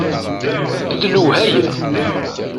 D lewhayem!